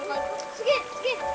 すげえすげえ。